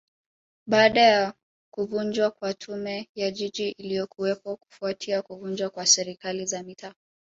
Baada ya kuvunjwa kwa Tume ya Jiji iliyokuwepo kufuatia kuvunjwa kwa Serikali za Mitaa